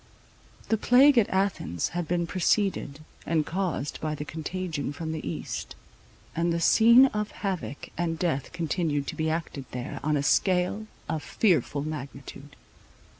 The plague at Athens had been preceded and caused by the contagion from the East; and the scene of havoc and death continued to be acted there, on a scale of fearful magnitude.